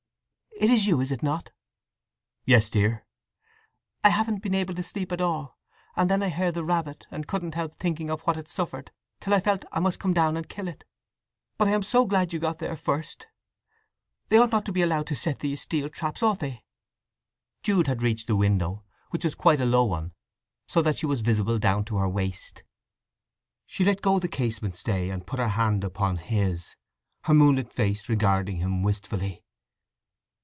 "It is you—is it not?" "Yes, dear!" "I haven't been able to sleep at all, and then I heard the rabbit, and couldn't help thinking of what it suffered, till I felt I must come down and kill it! But I am so glad you got there first… They ought not to be allowed to set these steel traps, ought they!" Jude had reached the window, which was quite a low one, so that she was visible down to her waist. She let go the casement stay and put her hand upon his, her moonlit face regarding him wistfully.